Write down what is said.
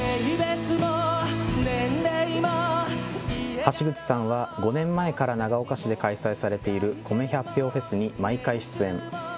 橋口さんは５年前から長岡市で開催されている米百俵フェスに毎回出演。